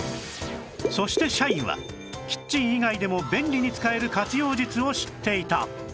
そして社員はキッチン以外でも便利に使える活用術を知っていた